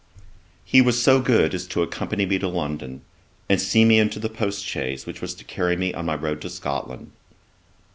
He was so good as to accompany me to London, and see me into the post chaise which was to carry me on my road to Scotland.